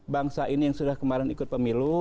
bangsa ini yang sudah kemarin ikut pemilu